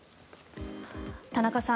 田中さん